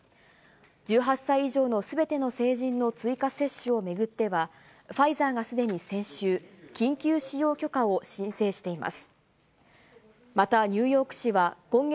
１８歳以上のすべての成人の追加接種を巡っては、ファイザーがすでに先週、緊急使用許可を申請しています。